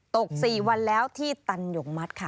ตก๔วันแล้วที่ตันหยกมัดค่ะ